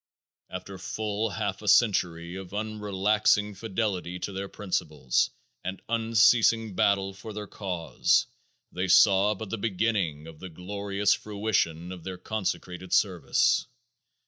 After full half a century of unrelaxing fidelity to their principles and unceasing battle for their cause they saw but the beginning of the glorious fruition of their consecrated service.